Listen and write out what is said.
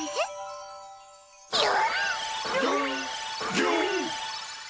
ギョン！